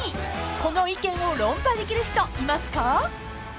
［この意見を論破できる人いますか？］